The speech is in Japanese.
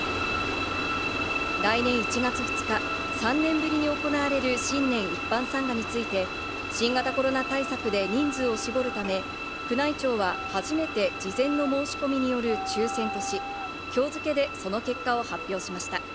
来年１月２日、３年ぶりに行われる新年一般参賀について新型コロナ対策で人数を絞るため、宮内庁は初めて事前の申し込みによる抽選とし、今日付けでその結果を発表しました。